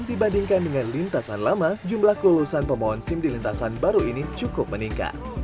dibandingkan dengan lintasan lama jumlah kelulusan pemohon sim di lintasan baru ini cukup meningkat